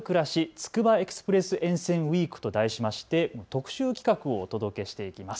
つくばエクスプレス沿線ウイークと題しまして特集企画をお届けしていきます。